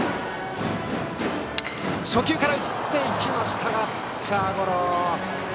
初球から打っていきましたがピッチャーゴロ。